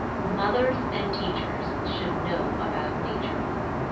Mothers and Teachers should know about Nature.